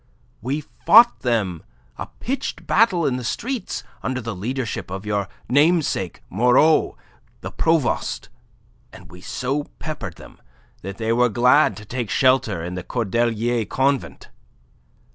We fought them a pitched battle in the streets, under the leadership of your namesake Moreau, the provost, and we so peppered them that they were glad to take shelter in the Cordelier Convent.